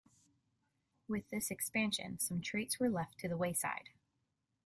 With this expansion, some traits were left to the wayside.